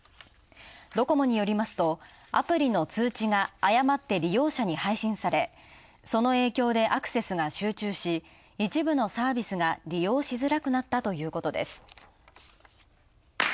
ドコモによりますと、アプリの通知が誤って利用者に配信されその影響でアクセスが集中し、一部のサービスが利用しづらくなったということです。